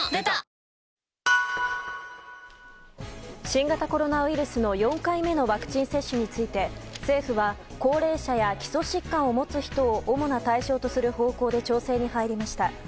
新型コロナウイルスの４回目のワクチン接種について政府は高齢者や基礎疾患を持つ人を主な対象とする方向で調整に入りました。